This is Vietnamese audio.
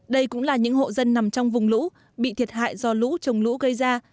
đây cũng là những hộ dân nằm trong vùng lũ bị thiệt hại do lũ trồng lũ gây ra